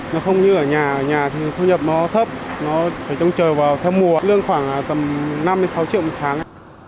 nó không như ở nhà ở nhà thì thu nhập nó thấp nó phải trông trời vào theo mùa lương khoảng tầm năm sáu triệu một tháng